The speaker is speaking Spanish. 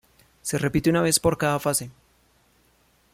Se repite una vez por cada fase.